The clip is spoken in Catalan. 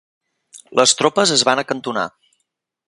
Les tropes es van acantonar.